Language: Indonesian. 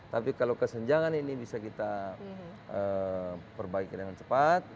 tapi kalau kesenjangan ini bisa kita perbaiki dengan cepat